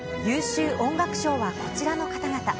優秀録音賞はこちらの方々。